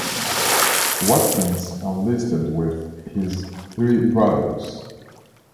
Watkins enlisted with his three brothers.